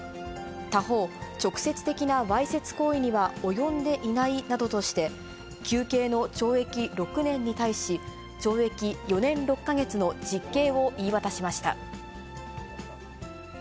他方、直接的なわいせつ行為には及んでいないなどとして、求刑の懲役６年に対し、懲役４年６か月の実刑を言い渡しました。